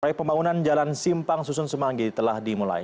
proyek pembangunan jalan simpang susun semanggi telah dimulai